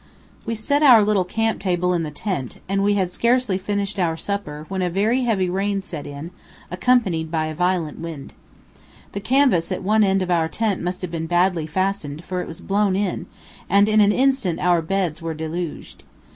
We set our little camp table in the tent, and we had scarcely finished our supper, when a very heavy rain set in, accompanied by a violent wind. The canvas at one end of our tent must have been badly fastened, for it was blown in, and in an instant our beds were deluged.